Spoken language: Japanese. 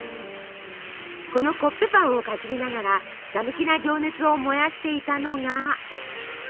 このコッペパンをかじりながらひたむきな情熱を燃やしていたのが。